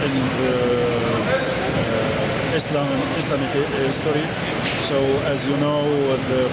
bergeser ke sepuluh km sebelah utara masjid kuba yakni sisi utara harrah wabrah kota raja